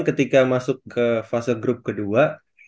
ketika masuk ke fase grup kedua